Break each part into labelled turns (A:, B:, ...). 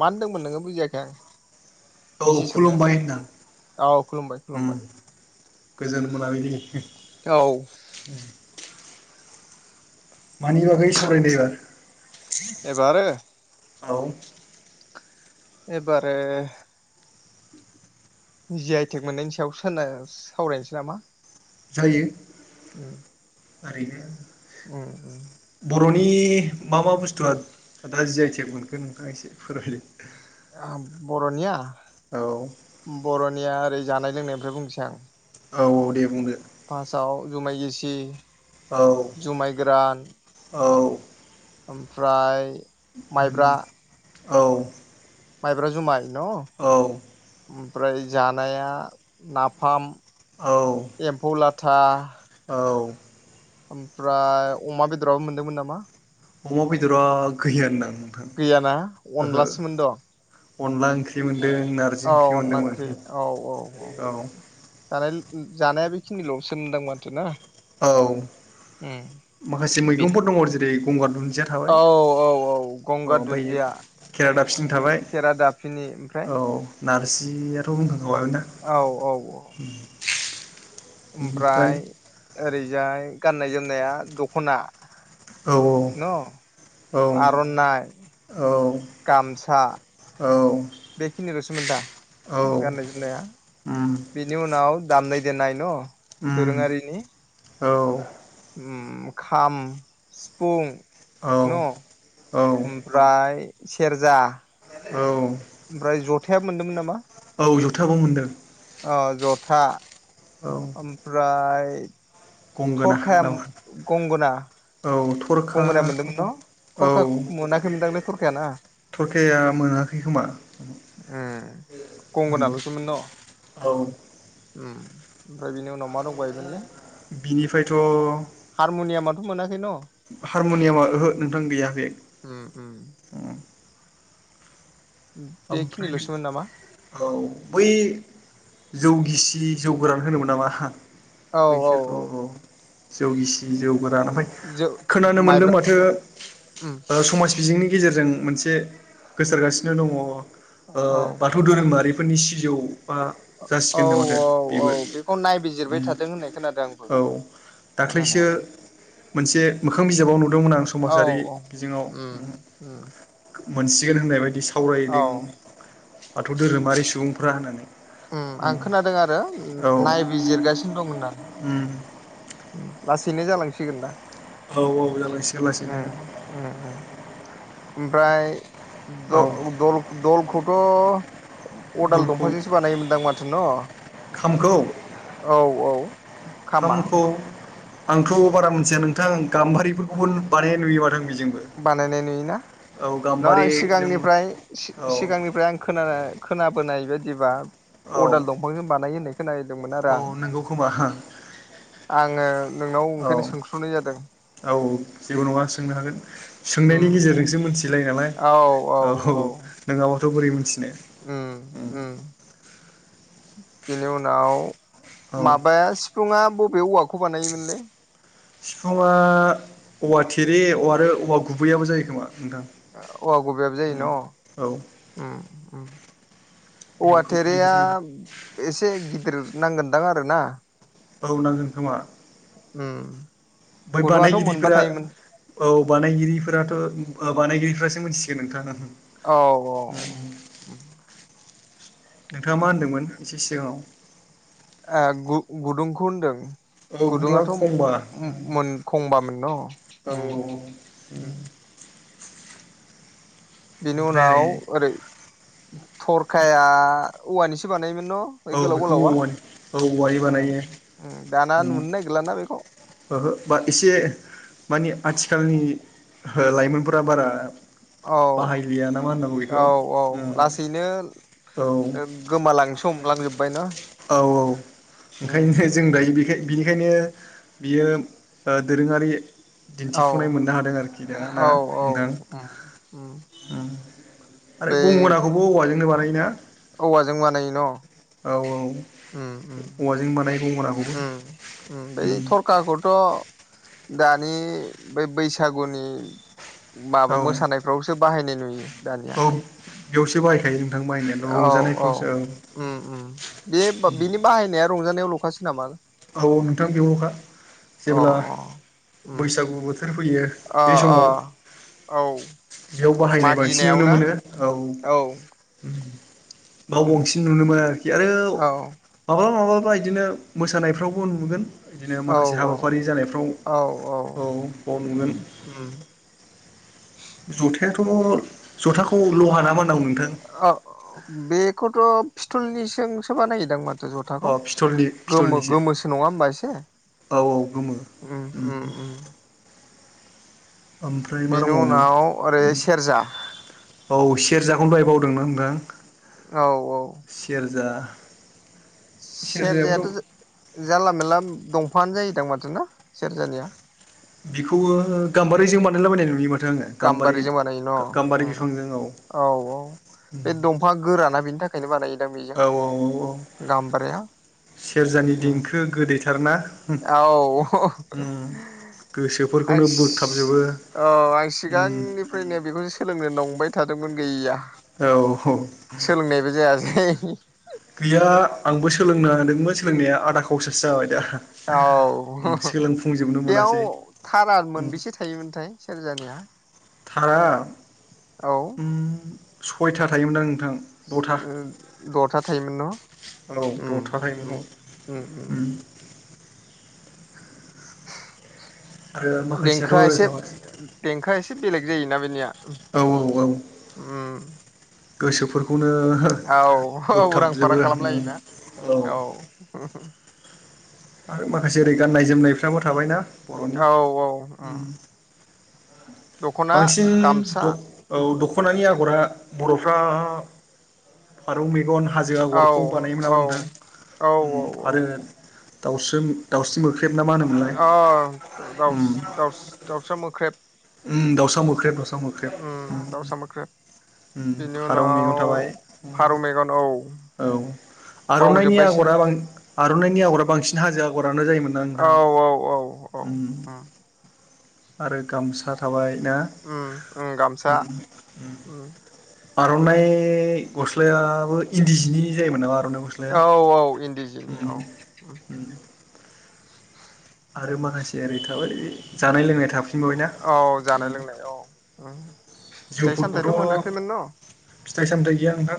A: मा होनदोंमोन नोङो बुजियाखै आं
B: औ
A: मिसेसर नो
B: खुलुमबाय होनदां
A: औ खुलुमबाय
B: उम
A: खुलुमबाय।
B: गोजोन मोनाब्लि।
A: औ
B: मानि बागै सावरायनायबार
A: एबार
B: औउ
A: एबारो जि आइटेक मोननायनि सायाव सावरायनोसै नामा?
B: जायो।
A: उम
B: थारैनो
A: [inaudible]
B: नि मा मा बुस्थुआ दा जि आइ टिक मोनखो नोंथाङा एसे फोरमायलाय
A: औ बर'निया
B: औ
A: बर'निया ओरै जानाय लोंनायनिफ्राय बुंनोसै आं
B: औ औ दे बुंदो।
A: फार्स्टाव जुमाय गेसि
B: औ
A: जुमाय गोरान
B: औ
A: ओमफ्राय
B: उम
A: माइब्रा
B: औ
A: माइब्रा जुमाय न'
B: औ औ
A: ओमफ्राय जानाया नाफाम
B: औ
A: था
B: औ
A: ओमफ्राय अमा बेदराबो मोनदोंमोन नामा?
B: अमा बेदरा गैया होनदां नोंथां
A: गैयाना
B: ओहो।
A: अनलासोमोन दं
B: अनला ओंख्रि मोन।
A: औ अनला ओंख्रि औ औ औ जानाय जानाया बेखिनिल'सो होनदां माथो ना।
B: औ
A: उम
B: माखासे
A: बि
B: मैगंफोर दङ जेरै गंगार दुन
A: औ औ औ गंगार दुन्दिया।
B: केेरा दा फिन थाबाय
A: खेरा दाफिनि ओमफ्राय
B: औ। नारजियाथ' बुंखांखाबायना।
A: औ औ औ ओमफ्राय ओरैजाय गाननाय जोमनाया दख'ना
B: औ
A: न
B: औ
A: आरननाय
B: औ
A: गामसा
B: औ
A: बेखिनिल'सोमोन दा
B: औ औ
A: गाननाय जोमनाया
B: उम
A: बेनि उनाव दामनाय देनाय न'
B: उम
A: दोरोङारिनि
B: औ
A: उ खाम सिफुं
B: औ
A: न' ओमफ्राय सेरजा
B: औ
A: ओमफ्राय जथाया मोनदोंमोन नामा
B: औ जथाबो मोनदों
A: था
B: औ
A: ओमफ्राय
B: गंगोना
A: थरखाया
B: नामा
A: गंगना
B: औ
A: गंगनाया
B: थरखाखौ
A: मोनदोंमोन न'
B: औ
A: थरखा मोनाखैमोनदांलै थरखायाना
B: थरखाया मोनाखै खोमा।
A: उ
B: उम
A: गंगोनल'सोमोन न'
B: औ
A: ओमफ्राय बिनि उनाव मा दंबायोमोन ने
B: बिनिफ्रायथ'
A: हारमुनियामाथ' मोनाखै न'
B: हारम'नियामा ओहो नोंथां गैयाबे
A: उम उम
B: ओमफ्राय नों
A: बेखिनिल'सोमोन नामा
B: औ बै जौ गिसि जौ गोरान होनोमोन नामा
A: औ औ औ
B: बैसोरथ' जौ गिसि जौ
A: जौ
B: खोनानो मोनदों
A: माइब्रा
B: माथो
A: उम
B: ओ समा बिजोंनि गेजेरजों मोनसे गोसारगासिनो दङ
A: औ
B: बाथौ धोरोमारि फोरनि सिजौ बा
A: औ
B: जासिगोन नो माथो
A: औ औ
B: बेबो
A: बेखौ नायबिजिरबाय थादों होननाय खोनादों आंबो
B: औ दाख्लैसो
A: खोनानायालाय
B: मोनसे मोखां बिजाबाव नुदोंमोन आं
A: औ
B: समाजारि
A: औ
B: बिजोङाव
A: उम उम
B: मोनसिगोन होननाय बायदि सावरायदों।
A: औ
B: बाथौ धोरोमारि सुबुंफ्रा होननानै
A: आं खोनादों आरो
B: औ
A: नायबिजिरगासिनो दं होननानै लासैनो जालांसिगोन दा
B: औ-औ जालांसिगोन लासैनो
A: उम उम ओमफ्राय
B: औ
A: दल- दलखौथ' अदाल
B: दलखौ
A: दंफांजोंसो बानायोमोनदां माथो न'
B: खामखौ
A: औ औ खामा
B: खामखौ आंथ' बारा मोनथिया नोंथां गाम्बारिफोरखौबो बानाय नुयो माथो बिदि
A: बानायनाय नुयोना नङा
B: गाम्बारि
A: आं
B: जों
A: सिगांनिफ्राय
B: औ
A: सिगांनिफ्राय आं खोनाना खोनाबोनाय बायदिबा
B: औ
A: अदाल दंफांजों बानायो होनानाय खोनादोंमोन आरो आं।
B: औ नंगौ खोमा
A: आङो नोंनाव ओंखायनो सोंस्र'नाय जादों
B: औ-औ जेबो नङा सोंनो हागोन सोंनायनि
A: उम
B: गेजेरजोंसो मिथिला
A: औ औ
B: औ-औ
A: औ
B: नोंङाबाथ' बोरै मोनथिनो
A: बेनि उनाव
B: औ
A: माबाया सिफुुंआ बबे औवाखौ बानायोमोनलै
B: सिफाङा औवा थेरे आरो औवा गुबैयाबो जायो खोमा। नोंथां
A: औवा गुबैयाबो जायो
B: औ
A: न' औवा
B: बेखौ बेबो
A: थेरेया
B: जायो
A: एसे गिदिर नांगोनदां आरोना
B: औ नांगोन खोमा
A: उ
B: ओमफ्राय बानायगिरिफोरा औ बानायगिरिफोराथ' ओ बानायगिरिफोरा। मिथिसिगोन नोंथां
A: औ औ
B: नोंथाङा नोंथाङा मा होनदोंमोन एसे सिगाङाव
A: ए गु गुदुंखौ होनदों।
B: औ गुदुङा
A: गुदुङाथ'
B: खमबा औ
A: मोन खंबामोन न'
B: औ औ
A: ओम ओम बेनि उनाव ओरै थरखाया औवानिसो बानायोमोन
B: औ
A: [unintelligible] गोलाव
B: बेखौ
A: गोलावा
B: औवानि औ औवानि
A: ओ
B: बानायो
A: ओ दाना नुनो नागिरलाना बेखौ
B: ओहो बा एसे मानि आथिखालनि लाइमोनफोरा बारा
A: औ
B: बाहायलिया ना मा होननांगौ बेखौ
A: औ औ लासैनो
B: औ
A: गोमालांनो हमलांजोबबायना
B: औ औ ओंखायनो जों दायो बेखाय बिनिखायनो बियो ओ दोरोङारि दिन्थिफुनाय
A: औ
B: मोननो हादों आरोखि दा ना
A: औ औ
B: नोंथां।
A: उम उम
B: ओम आरो
A: बै
B: गंगनाखौबो औवाजोंनो बानायो।
A: औवाजों बानायो न'?
B: औ औ औवाजों बानायो गंगनाखौ
A: ओम ओम बै थरखाखौथ' दानि बेै बैसागुनि
B: औ
A: माबा मोसानायफ्रावसो बाहायनाय नुयो। दानिया
B: औ बेयावसो बाहायखायो। बाहायनायाथ'
A: औ औ
B: रंजानायफ्रावसो
A: ओम ओम बे बिनि बाहायनाया रंजानायाव ल'खासो नामा?
B: औ नोंथां बेयावल'खा,
A: अ
B: जेब्ला
A: अ उम
B: बैसागु बोथोर फैयो
A: अ
B: बे
A: अ
B: समाव
A: औ
B: बेयाव बाहायनाय बांसिन
A: मागिनायाव
B: नुनो
A: ना
B: मोनो। औ बाव
A: उम
B: बांसिन नुनो मोनो आरोखि आरो
A: औ
B: माब्लाबा माब्लाबा बिदिनो मोसानाय फ्रावबो नुगोन, बिदिनो
A: औ
B: माखासे हाबाफारि जानायफ्राव औ बाव नुगोन
A: उम
B: जथायाथ' जथाखौ लहा ना मा होनना बुंदों नों
A: बेखौथ' फिस्थलनिजोंसो बानायोदांमोन
B: अ
A: जथाखौ
B: पिथलनि
A: गोमो
B: पिथलनिसो
A: गोमोसो नङा होमबा एसे
B: औ औ गोमो
A: उम उम
B: ओम
A: उम
B: ओमफ्राय मा
A: बेनि
B: दंबावोमोनलाय?
A: उनाव ओरै सेरजा
B: औ से सेरजाखौनो दहाय बावदोंना नोंथां
A: औ औ
B: सेरजा
A: सेरजायाथ'
B: सेरजायाबोथ'
A: जानला मेनला दं फाङानो जायोदां माथो ना सेरजानिया?
B: बिखौ गाम्बारिजों बानायलाबायनाय नुयोमोन
A: गाम्बारिजों बानायो न' औ औ बे दंफाङा गोराना बेनि थाखा
B: औ औ औ औ
A: गाम्बारिया
B: सेरजानि
A: उम
B: देंखो गोदैथारना उम
A: औ हो हो आं
B: गोसोफोरखौनो बोगथाबजोबो
A: सि आं
B: उम
A: सिगांनिफ्रायनो बेखौसो सोलोंनो नं बाय थादोंमोन गैया
B: औ
A: सोलोंनायबो जायासै।
B: गैया आंबो सोलोंनो नागिरदोंमोन सोलोंनाया आधा कावसासो जाबाय। दा उम
A: औ
B: सोलोंफुंजोबनो
A: बेयाव
B: मोनासै
A: थारा
B: उम
A: मोनबेसे थायोमोनथाय सेरजानिया?
B: थारा
A: औ
B: ओम सयथा थायोमोन दां नोंथां दथा
A: दथा थायोमोन न
B: औ
A: उम
B: दथा थायोमोन
A: उम
B: औ
A: उम उम
B: आरो
A: [inaudible]
B: माखासेयाथ'
A: देंखोआ
B: ओरै
A: एसे
B: थाबाय
A: देंखोआ एसे बेलेग जायोना बेनिया?
B: औ औ औ
A: ओम
B: गोसोफोरखौनो
A: उरां फारां
B: बोगथाबजोबो ओम
A: खालामलायोना
B: औ आरो माखासे ओरै गाननाय जोमनायफ्राबो थाबायना बर'नि
A: औ औ
B: उम
A: दख'ना
B: बांसिन
A: गामसा
B: दख औ दख'नानि आ गरा बर'फ्रा फारौ मेगन हाजो
A: औ
B: आगरखौ बानायोमोन नामा नोंथां
A: औ औ औ
B: आरो दाउस्रोम दाउस्रि मो
A: अ द द
B: उम
A: दाउसा मोख्रेब
B: ओमव दाउसा मोख्रेब दाउसा
A: उम
B: मोख्रेब
A: दाउसा मोख्रेब बेनि
B: फारौ मैगं
A: उनाव
B: थाबाय
A: फारौ मेगन औ
B: औ आर'नाइनि
A: बावजोब्बायसो
B: आगरा बां आर'नाइनि आगरा बांसिन हाजो आगर फ्रानो जायोमोन ना नोंथां
A: औ औ औ औ उम
B: आरो गामसा थाबाय ना
A: उम उम गामसा
B: ओम ओम
A: उम
B: आर'नाइ गस्लायाबो इन्दि जिनि जायोमोन नामा? आर'नाइ गस्लाया
A: औ औ इन्दि जिनि औ
B: उम
A: उम
B: आरो माखासे ओरै थाबाय जानाय लोंनाय थाब
A: औ जानाय लोंनाय औ उम फिथाइ सामथायथ'
B: जौफोरखौथ'
A: मोनाखैमोन न?
B: फिथाइ सामथाय गैया नोंथां‌।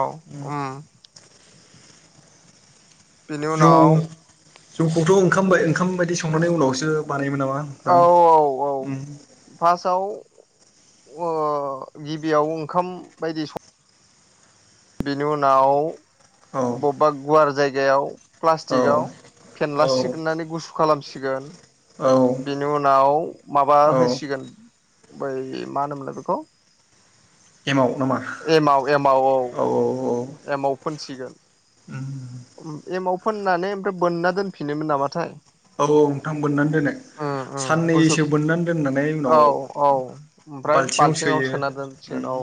A: औ उम बेनि
B: जौ
A: उनाव
B: जौखौथ' ओंखाम बाय ओंखाम बायदि संनानै उनावसो बानाय मोन नामा
A: औ
B: नोंथां
A: औ
B: उम
A: अ गिबियाव ओंखाम बायदि सं बिनि उनाव
B: औ
A: बबेबा गुवार जायगायाव
B: औ
A: प्लास्टिकाव
B: औ
A: फेनलासिग्रोनानै गुसु खालामसिगोन।
B: औ
A: बेनि उनाव माबा
B: औ
A: होसिगोन बै मा होनोमोनलाय बेखौ
B: एमाव नामा
A: एमाव एमाव औ औ एमाव फुनसि
B: उम
A: एमाव फोननानै ओमफ्राय बोनना दोनफिनोमोन नामाथाय
B: औ औ नोंथा़ं बोननानै दोनो।
A: गुसु
B: साननैसो बोननानै दोननानै उनाव
A: औ औ
B: बाल्थिङाव सोयो। उम
A: ओनौ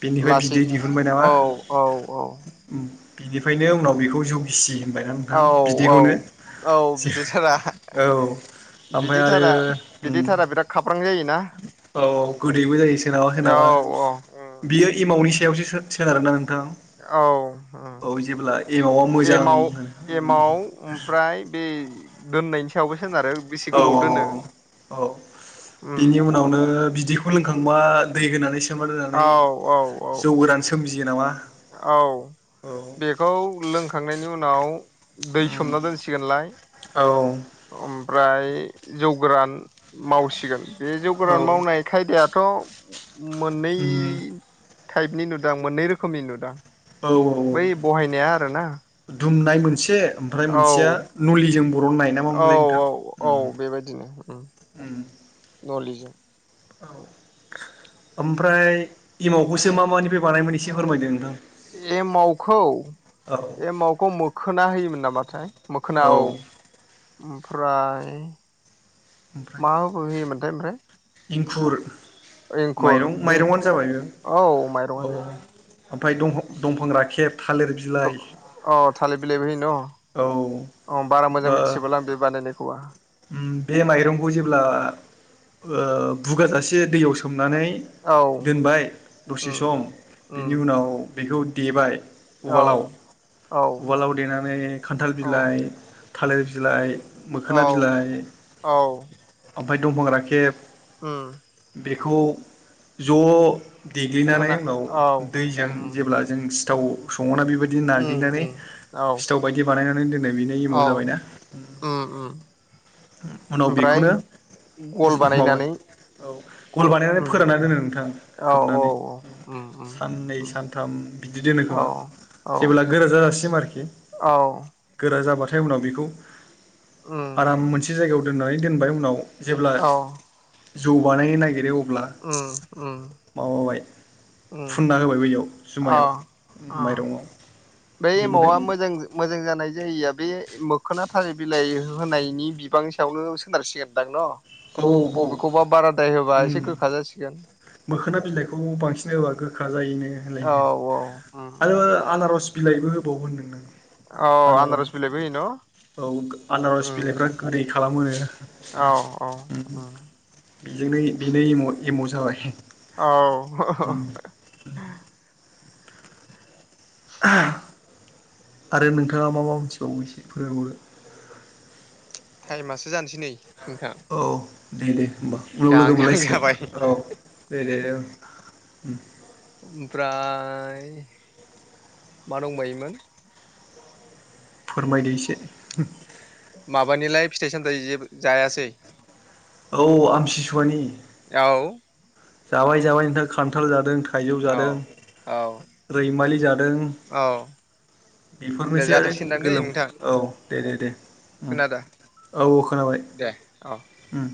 B: बेनिफ्राय
A: लासै
B: बिदै दिहुनबाय नामा
A: औ औ औ
B: उम बिनिफ्रायनो उनाव बेखौ जौ गिसि होनबायना
A: औ
B: नोंथां
A: औ
B: बिदैखौनो
A: औ बिदै थारा
B: औ ओमफ्राय आरो
A: बिदिथारा
B: उम
A: बिदिथारा बिराद खाब्रां जायोना
B: औ गोदैबो जायो सोरनाबा
A: ओ
B: सोरनाबा
A: औ औ अ उम
B: बियो एमाउनि सायावसो सो सोनारो ना नों
A: औ ओ
B: एमावा मोजां
A: एमाव एमाव ओमफ्राय बे दोननायनि सायावबो सो
B: औ औ औ
A: उम
B: बिनि उनावनो बिदिख खौ लोंखांबा दै होनानै सोमना दोनानै
A: औ औ औ
B: जौ गोरान सोमजि
A: औ बेखौ लोंखांनायनि उनाव दै सोमना दोनसिगोनलाय
B: औ
A: फ्राय जौ गोरान मावसिगोन बे जौ गोरान
B: औ
A: मावनाय खायदायाथ' मोननै थाइपनि नुदां मोननै रोखोमनि नुदां।
B: औ औ
A: बै बहायनाया आरोना
B: दुमनाय मोनसे ओमफ्राय
A: औ
B: मोनसेया नलिजों बु बर'ननाय ना
A: औ
B: मामोनलाय नोंथां
A: औ औ
B: उम
A: बेबायदिनो उम
B: उम
A: नलिजों
B: औ ओमफ्राय एमावखौसो मा मानिफ्राय बानायोमोन एसे फोरमायदो नोंथां?
A: एमावखौ
B: औ
A: एमावखौ मोखोना होयोमोन नामाथाय मोखोना औ ओमफ्राय
B: ओमफ्राय
A: माबो होयोमोन थाय ओमफ्राय
B: इंखुर
A: एंखुर
B: माइरं माइरंआनो जाबाय ओ औ
A: माइरंआनो
B: अ
A: जाहैबाय
B: ओमफाय दंह दंफां राखेब थालिर बिलाइ अ
A: थालिर बिलाइबो होयो न
B: अ
A: अ बारा मोजां मिथिजोबालां बे बानायनायखौबा।
B: उम बे माइरंखौ जेब्ला ओ बुगाजासे दैयाव सोमनानै
A: औ
B: दोनबाय दसे
A: उम
B: सम
A: उम
B: बेनि उनाव बेखौ देबाय
A: औ
B: उवालाव
A: औ
B: उवालाव देनानै खानथाल
A: औ
B: बिलाइ थालिर बिलाइ
A: औ
B: मोखोना बिलाइ ओमफाय दंफां राखेब
A: ओ
B: बेखौ ज' देग्लिनानै
A: होना
B: उनाव
A: औ
B: दैजों
A: उम
B: जेब्ला जों सिथाव संङोना बेबायदि
A: उम
B: नाग्लिनानै
A: उम औ
B: सिथाव बायदि बानायनानै दोनो। बिनो
A: औ
B: एमाव जाबायना?
A: उम उम
B: उनाव
A: ओमफ्राय
B: बेखौनो
A: गल
B: माबा
A: बानायनानै
B: गल बानायनानै
A: उम
B: फोरानना दोनो नोंथां
A: औ औ
B: खोबनानै।
A: औ उम उम
B: साननै
A: उम
B: सानथाम बिदि दोनो खोमा
A: औ औ
B: जेबोब्ला गोरा जाजासिम आरोखि
A: औ
B: गोरा जाबाथाय उनाव बेखौ
A: उम
B: आराम मोनसे जायगायाव दोननानै दोनबाय उनाव जेब्ला
A: औ
B: जौ बानायनो नागिरो अ अब्ला
A: उम उम
B: माबाबाय।
A: उम
B: फुनना होबाय बैयाव
A: अ अ
B: जुमायाव माइरंआव।
A: बै
B: बेनिफ्राय
A: एमावा मोजां मोजां जानाय जायिया बे मोखोना थालिर बिलाइ होनायनि बिबां सायावनो सोनारसिगोनदां न'?
B: औ
A: बबेखौबा बारादाय होबा एसे
B: उम
A: गोखा जासिगोन।
B: मोखोना बिलाइखौ बांसिन होबा गोखा जायोनो होनलाय
A: औ औ उम
B: आरो आनारस बिलाइबो होबाव होनदों नों।
A: औ
B: आनारस
A: बिलाइबो होयो न
B: औ आनारस
A: उम
B: बिलाइफ्रा गोथै खालामोनो
A: औ औ
B: उम बेजोंनो बेनो एमाव जाबाय।
A: औ।
B: उम [inaudible] आरो नोंथाङा मा मा मोनथिबावो एसे फोरोंहर।
A: टाइमासो जानोसै नै। नोंथां
B: औ दे दे होमबा उनाव लोगो
A: जाहां जाहां
B: मोनलायसिगोन
A: जाबाय
B: औ। दे दे ओं। उम।
A: ओमफ्राय मा दंबायोमोन?
B: फोरमायदो इसे।
A: माबानिलाय फिथाइ सामथायाइ जेबो जायासै?
B: औ आमसि सुवानि?
A: औ।
B: जाबाय जाबाय नोंथां खानथाल जादों थाइजौ
A: औ
B: जादों
A: औ
B: रैमालि जादों
A: औ दे
B: बेफोरनोसै आरो
A: जाथ'सिगोनदां दै
B: गोलोम
A: नोंथां
B: औ दे दे दे उम।
A: खोनादों
B: औ औ खोनाबाय,
A: दे औ
B: उम।